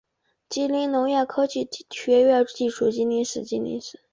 吉林农业科技学院地处吉林省吉林市。